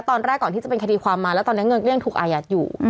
ตอนแรกก่อนที่จะเป็นคดีความมาแล้วตอนนี้เงินก็ยังถูกอายัดอยู่